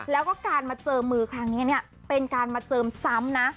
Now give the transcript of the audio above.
แล้วก็การมาเจอมือครั้งนี้เนี่ยเป็นการมาเจิมซ้ำนะ